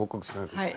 はい。